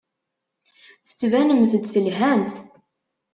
Tettbanemt-d telhamt.